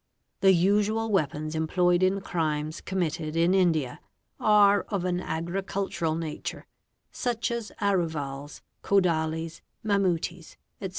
a J The usual weapons employed in crimes committed in India are of a agricultural nature such as aruvals, kodalies, mamooties, etc.